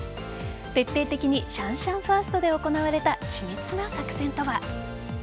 徹底的にシャンシャンファーストで行われた、緻密な作戦とは。